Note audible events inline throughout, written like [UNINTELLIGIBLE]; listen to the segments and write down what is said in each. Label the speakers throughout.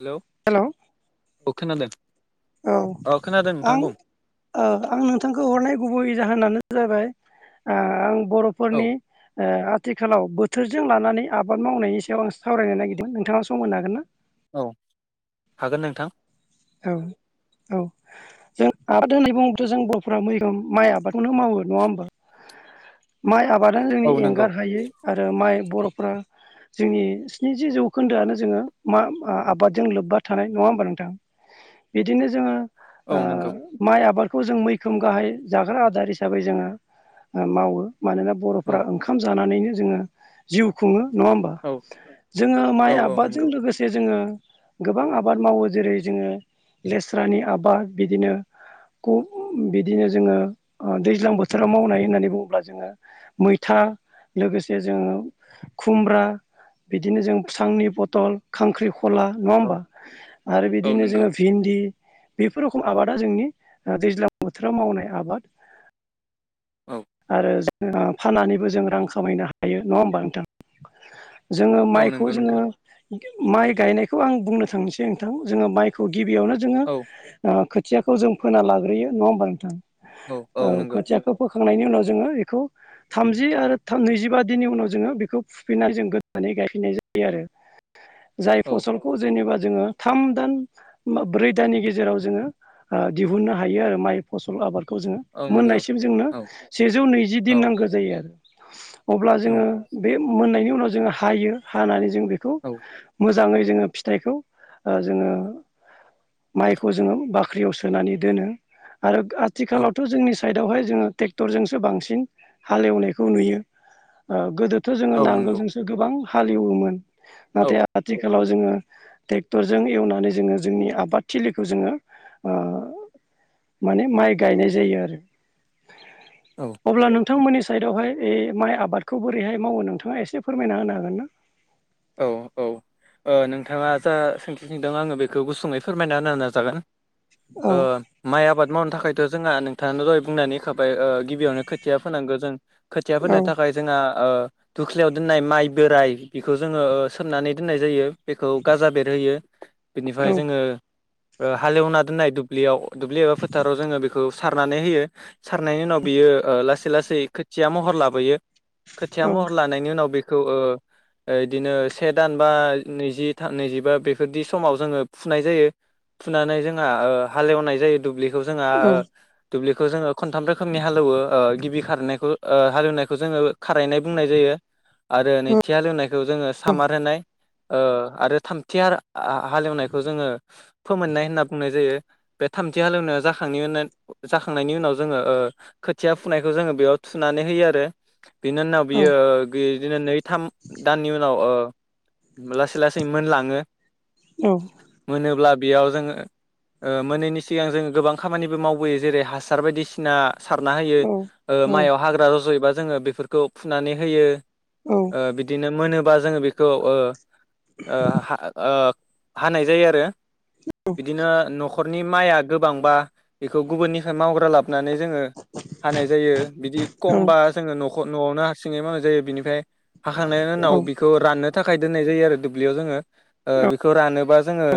Speaker 1: हेल'
Speaker 2: hello
Speaker 1: अ खोनादों।
Speaker 2: औ
Speaker 1: नोंथां
Speaker 2: आं
Speaker 1: बुं
Speaker 2: ओ आं नोंथांखौ हरनाय गुबै जाहोनानो। जाबाय आं
Speaker 1: औ
Speaker 2: बर'फोरनि आथिखालाव बोथ थोरजों लानानै आबाद मावनायनि सायाव आं सावरायनो नागिरदों नोंथाङा सम होन हागोन ना?
Speaker 1: औ हागोन नोंथां।
Speaker 2: औ औ जों आबाद होनाय बुङोथ' जों बर'फोरा मैखोम माइ आबादखौनो मावो नङा होमबा? माइ आबादानो जोंनि
Speaker 1: औ नंगौ
Speaker 2: एंगार हायो आरो माइ बर'फ्रा। जोंनि स्निजि जौखोन्दोआनो जोङो मा आबादजों लोब्बा थानाय नङा होमबा नोंथां? बिदिनो जोङो
Speaker 1: औ नंगौ
Speaker 2: माइ आबाद खौ जों मैखोम गाहाय जाग्रा आदार हिसाबै जोङो ओ मावो। मानोना
Speaker 1: औ
Speaker 2: बर'फोरा ओंखाम जानानैनो जोङो जिउ खुङो। नङा होमबा
Speaker 1: औ
Speaker 2: जोङो
Speaker 1: औ
Speaker 2: माइ
Speaker 1: औ
Speaker 2: आबादजों
Speaker 1: नंगौ
Speaker 2: लोगोसे जोङो गोबां आबाद मावो जेरै जोङो लेस्रानि आबाद बिदिनो बिदिनो जोङो दैज्लां बोथोराव मावनाय होननानै बुङोब्ला जोङो मैथा लोगोसे जोङो खुमब्रा बिदिनो जों सांनि फथल खांख्रि खला नङा
Speaker 1: औ
Speaker 2: होमबा आरो
Speaker 1: औ
Speaker 2: बिदिनो
Speaker 1: नंगौ
Speaker 2: जोङो भिन्दि बेफोर रखम आबादा जोंनि दैज्लां बोथोराव मावनाय आबाद।
Speaker 1: औ
Speaker 2: आरो जो फाननानैबो जों रां खामायनो हायो नङा होमबा नोंथां? जोङो
Speaker 1: औ
Speaker 2: माइखौ
Speaker 1: नंगौ
Speaker 2: जोङो
Speaker 1: नोंथां
Speaker 2: माइ गायनायखौ आं बुंनो थांसै नोंथां जोङो माइखौ। गिबियावनो जोङो
Speaker 1: औ
Speaker 2: खोथियाखौ जों फोना लाग्रोयो नङा होमबा नोंथा? औ खोथियाखौ फोखा खांनायनि उनाव जोङो इखौ थामजि आरो नैजिबा दिननि उनाव जोङो बेखौ फुफिननानै जों गोदानै गायफिननाय जायो आरो, जाय
Speaker 1: औ
Speaker 2: फसलखौ जेनेबा। जोङो, थाम दान बा ब्रै दाननि गेजेराव जोङो ओ दिहुननो हायो आरो माइ फसल आबाद खौ जोङो
Speaker 1: औ नंगौ
Speaker 2: मोननायसिम जोंनो
Speaker 1: औ
Speaker 2: सेजौ नैजि दिन
Speaker 1: औ
Speaker 2: नांगौ जायो आरो अब्ला
Speaker 1: औ
Speaker 2: जोङो बे मोननायनि उनाव जोङो हायो, हानानै जों बेखौ मो
Speaker 1: औ
Speaker 2: मोजाङै जोङो फिथाइखौ ओ जोङो माइखौ जोङो बाख्रियाव सोनानै दोनो आरो
Speaker 1: औ
Speaker 2: आथिखालावथ' जोंनि साइदआवहाय जोङो टेक क्टरजोंसो बांसिन हालेवनायखौ नुयो, ओ गोदोथ' जोङो
Speaker 1: औ नंगौ
Speaker 2: नांगोलजोंसो गोबां हालेवोमोन,
Speaker 1: औ
Speaker 2: नाथाय आथिखालाव जोङो ट्रेक्टरजों एवनानै जोङो जोंनि आबाद थिलिखौ जोङो ओ माने माइ गायनाय जायो आरो,
Speaker 1: औ
Speaker 2: अब्ला नों थांमोननि साइदआवहाय इ माइ आबादखौ बोरैहाय मावो नोंथाङा एसे फोरमायना होनो हागोन ना?
Speaker 1: औ औ ओ नोंथाङा जा सोंथि सोंदों आङो बेखौ गुसुङै फोरमायना होनो नाजागोन ओ
Speaker 2: औ
Speaker 1: माइ आबाद मावनो थाखाय थ' जोंहा नोंथाङानो दहाय बुंनानै होखाबाय ओ गिबियावनो खोथिया फोनांगो जों, खोथिया फोनो
Speaker 2: नंगौ
Speaker 1: थाखाय जोंहा ओ दुख्लियाव दोननाय माइ बोराय बे बेखौ जोङो ओ सोमनानै दोननाय जायो, बेखौ गाजा बेरहोयो, बिनिफ्राय
Speaker 2: औ
Speaker 1: जोङो ओ हालेवना दोननाय दुब्लियाव, दुब्लि एबा फोथाराव जोङो बेखौ सारनानै होयो, सारनायनि उनाव बियो ओ ओ लासै लासै खोथिया महर लाबोयो खोथिया महर
Speaker 2: नंगौ
Speaker 1: लानायनि उनाव बेखौ ओ ओ इदिनो से दान बा नैजि नैजिबा बेफोरदि समाव जोङो फुनाय जायो फुनानै जोंहा ओ हालेवनाय जायो दुब्लि खौ जोङा, ओ दुब्लिखौ जोङो खथाम रोखोमनि हालौवो, गिबि खारिनायखौ ओ हालेवनायखौ जोङो खारायनाय बुंनाय जायो आरो नैथि हालेवनायखौ जोङो सामार होनाय ओ आरो थामथि आर हा हालेवनायखौ जोङो फोमोननाय होनना बुंनाय जायो बे थामथि हालेवनायाव जाखांनि जाखांनायनि उनाव जोङो ओ खोथिया फुनायखौ जोङो बेयाव थुनानै नानै होयो आरो, बिनि उनाव बियो ओ बिदिनो नै, थाम दाननि उनाव ओ लासै लासै मोनलाङो, मोनोब्ला बेयाव जोङो ओ मोनैनि सिगां जोङो गोबां खामानिबो मावबोयो जेरै हासार बायदिसिना सारना होयो, ओ माइआव हाग्रा रज'योबा जोङो बेफोरखौ फुनानै होयो।
Speaker 2: औ
Speaker 1: ओ बिदिनो मोनोबा जोङो बेखौ ओ ओ हा ओ हानाय जायो आरो, बिदिनो न'खर नि माइआ गोबांबा बेखौ गुबुननिफ्राय मावग्रा लाब नानै जोङो हानाय जायो, बिदि कमबा जोङो न न'आवनो हारसिंङै मावनाय जायो, बिनिफ्राय हाखांनायनि उनाव बिखौ राननो थाखाय दोननाय जायो आरो दुब्लियाव जोङो, ओ बेखौ रानोबा जोङो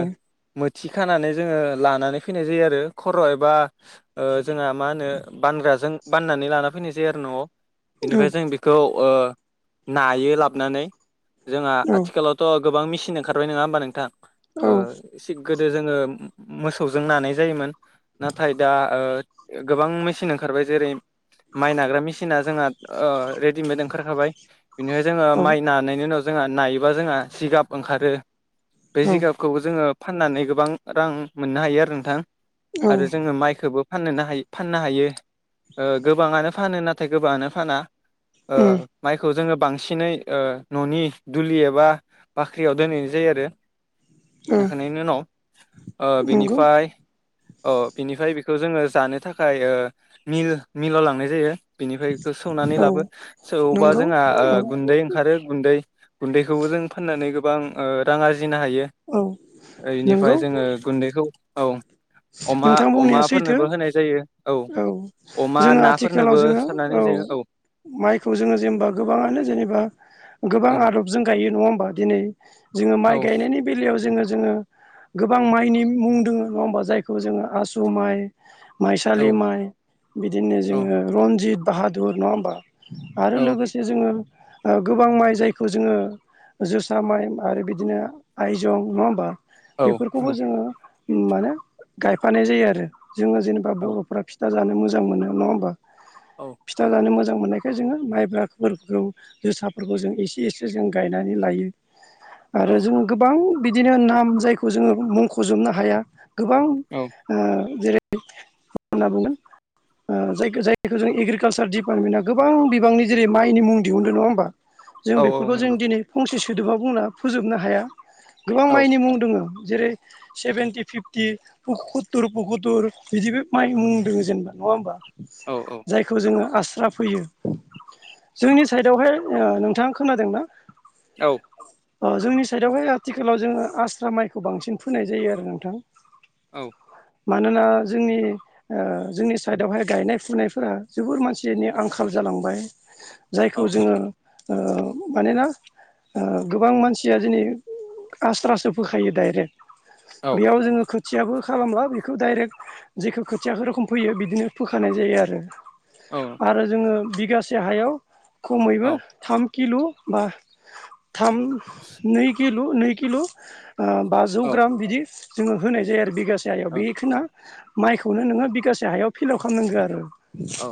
Speaker 1: मो थि खानानै जोङो लानानै फैनाय जायो आरो, खर' एबा ओ जोंहा मा होनो बानग्राजों बाननानै लाना फैनाय जायो आरो न'आव, बेनिफ्राय जों बेखौ ओ नायो लाबनानै, जोंहा आथिखालावथ' गोबां मिसिन ओंखारबाय नोङा होमबा नोंथां? ओ थिग गोदो जोङो मोसौजों नानाय जायोमोन नाथाय दा ओ गोबां मेचिन ओंखारबाय जेरै माइ नाग्रा मेसिना जोंहा ओ रेडिमेड ओंखारखाबाय, बिनिफ्रायाय जोङो माइ नानायनि उनाव जोंहा नायोबा जोंहा जिगाब ओंखारो, बे जिगाबखौबो जोङो फाननानै गोबां रां मोननो हायो आरो नोंथां, आरो जोङो माइखोबो फाननोनो हायो, फाननो हायो ओ गोबाङानो फानो नाथाय गोबाङानो फाना ओ माइखौ जोङो बांसिनै ओ न'नि दुलि एबा बाख्रियाव दोनैनाय जायो आरो गाखोनायनि उनाव ओ बेनिफ्राय ओ बिनिफाय बेखौ जोङो जानो थाखाय ओ मिल मिलाव लांनाय जायो। बिनिफाय बेखौ सौनानै लाबो सौबा जोंहा ओ
Speaker 2: औ
Speaker 1: गुन्दै ओंखारो गुन्दै गुन्दैखौबो जों फाननानै गोबां ओ रां आरजियो आरजिनो हायो
Speaker 2: औ नंगौ
Speaker 1: ओनिफाय जोङो गुन्दैखौ औ अमा
Speaker 2: नोंथां बुंनाया सैथो
Speaker 1: अमाफोरनोबो होनाय जायो औ अमा
Speaker 2: जोङो आथिखालाव
Speaker 1: नाफोरनोबो
Speaker 2: जोङो
Speaker 1: सारनानै जायो औ।
Speaker 2: माइखौ जोङो जेनेबा गोबाङानो जेनेबा गोबां
Speaker 1: औ
Speaker 2: आदबजों गायो नङा होमबा दिनै जोङो
Speaker 1: औ
Speaker 2: माइ गायनायनि बेलायाव जोङो जोङो गोबां माइनि मुं दोङो नङा होमबा जायखौ जोङो आसु माइ
Speaker 1: औ
Speaker 2: माइसालि माइ बिदिनो
Speaker 1: औ
Speaker 2: जोङो रनजित बाहादुर नङा होमबा आरो
Speaker 1: औ
Speaker 2: लोगोसे जोङो गोबां माइ जायखौ जोङो जोसा माइ आरो बिदिनो आयजं नङा होमबा
Speaker 1: औ औ
Speaker 2: बेफोरखौबो जोङो माने गायफानाय जायो आरो जोङो जेनेबा
Speaker 1: औ
Speaker 2: बर'फोरा फिथा जानो मोजां मोनो नङा होमबा फिथा जानो मोजां मोजां मोननायखाय जोङो माइब्राफोरखौ जोसाफोरखौ जों इसे इसे जों गायनानै लायो। आरो
Speaker 1: औ
Speaker 2: जों गोबां बिदिनो नाम जायखौ जोङो मुंख'जोबनो हाया गोबां
Speaker 1: औ
Speaker 2: ओ जेरै होनना बुंगोन गो ओ जाय जायखौ जों एग्रिकालसार दिडिपार्टमेन्टआ गोबां बिबांनि जेरै माइनि मुं दिहुनदों नङा होमबा जों
Speaker 1: औ औ
Speaker 2: बेफोरखौ जों
Speaker 1: नंगौ
Speaker 2: दिनै फंसे सोदोबा बुंना फोजोबनो हाया गोबां
Speaker 1: औ
Speaker 2: माइनि मुं दङ जेरै सेभेेनटि फिफ थि पकतर पकतर बिदिबो माइ मुंदों जेनेबा नङा होमबा
Speaker 1: औ औ
Speaker 2: जायखौ जोङो आस स्रा फैयो जोंनि साइडआवहाय ओ नोंथाङा खोनादोंना?
Speaker 1: औ।
Speaker 2: अ जोंनि साइडआवहाय आथिखालाव जोङो आस्रा माइखौ बांसिन फोनाय जायो आरो नोंथां
Speaker 1: औ
Speaker 2: मानोना जोंनि ओ जोंनि साइडआवहाय गायनाय फुनायफोरा जोबोर मानसिनि आंखाल जा जालांबाय जायखौ जोङो ओ मानोना ओ गोबां मानसिया दिनै आस्रासो फोखायो डाइरेक्ट बेयाव जोङो खोथियाबो खालामला बेखौ डाइरेक्ट जेखौ खोथिया रोखोम फैयो बिदिनो फोखानाय जायो आरो
Speaker 1: औ
Speaker 2: आरो जोङो बिगासे हायाव खमैबो
Speaker 1: औ
Speaker 2: थाम किल' बा थाम नै किल' नै किल' ओ बाजौ
Speaker 1: औ
Speaker 2: ग्राम बिदि जोङो होनाय जायो आरो बिगासे हायाव
Speaker 1: औ
Speaker 2: [UNINTELLIGIBLE] माइखौनो नोङो बिगासे हायाव फिलाव खालामनांगौ आरो
Speaker 1: औ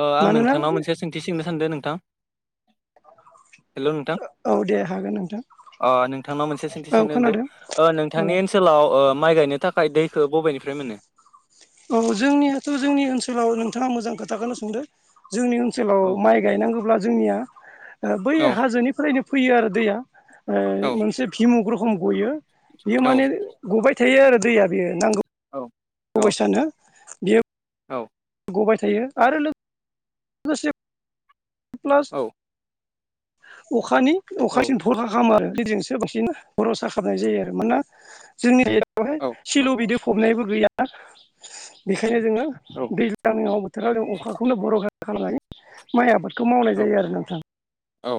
Speaker 1: ओ आं
Speaker 2: मानोना
Speaker 1: नोंथांनाव मोनसे सोंथि सोंनो सानदों नोंथां हेल' नोंथां
Speaker 2: औ दे हागोन नोंथां
Speaker 1: ओ नोंथांनाव मोनसे सोंथि
Speaker 2: औ
Speaker 1: सोंनो होनदो
Speaker 2: खोनादों
Speaker 1: ओ
Speaker 2: औ
Speaker 1: नोंथांनि ओनसोलाव ओ माइ गायनो थाख हाय दैखो बबेनिफ्राय मोनो?
Speaker 2: औ जोंनियाथ' जोंनि ओनसोलाव नोंथाङा मोजां खोथाखौनो सोंदो जोंनि ओनसोलाव
Speaker 1: औ
Speaker 2: माइ गायनांगोब्ला जोंनिया ओ बै
Speaker 1: औ
Speaker 2: हाजोनिफ्रायनो फैयो आरो दैया ओ
Speaker 1: औ
Speaker 2: मोनसे भिमुक रखम गयो बियो
Speaker 1: औ
Speaker 2: माने गबाय थयो आरो दैया बियो नांगौ
Speaker 1: औ औ
Speaker 2: अबयसानो बियो
Speaker 1: औ
Speaker 2: गबाय थायो आरो लोग [UNINTELLIGIBLE] गोसे [UNINTELLIGIBLE] प्लास
Speaker 1: औ
Speaker 2: अखानि
Speaker 1: औ
Speaker 2: अखासिम फरखा खालामो आरो लिजोंसो बांसिन बर'सा खालामनाय जायो आरो मानोना जोंनि बेवहाय सिल' बिदि फबनायबो गैया बे बेखायनो जोङो
Speaker 1: औ
Speaker 2: दैज्लांनि बोथोराव जों अखाखौनो भरखा खालामनानै माइ आबाद बेखौ मावनाय
Speaker 1: औ
Speaker 2: जायो आरो नोंथां।
Speaker 1: औ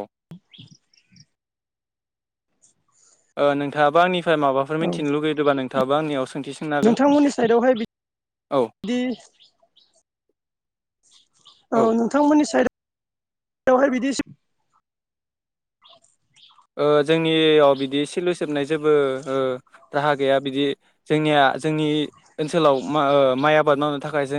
Speaker 1: ओ नोंथाङाबो आंनि फ्राय माबाफोर
Speaker 2: औ
Speaker 1: मिथिनो लुगैदोंबा नोंथाङाबो आंनियाव सोंथि सोंनो‌ हागोन! औ
Speaker 2: दि औ नोंथांमोननि साइदावहाय बिदि
Speaker 1: ओ जोंनियाव बिदि सिलु सोबनाय जेबो ओ राहा गैया बिदि जोंनिया जोंनि ओनसोलाव‌ मा ओ माइ आबाद मावनो थाखाय जोंनिथिं-